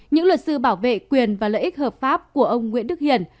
những luật sư bảo vệ quyền và lợi ích hợp pháp của ông nguyễn đức hiển